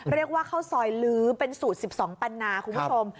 เรียกว่าข้าวซอยลื้อเป็นสูตร๑๒ปันนาคุณผู้ชม